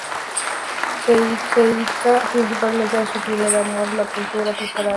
Se dedica principalmente a su primer amor, la pintura, preparando exhibiciones para el futuro.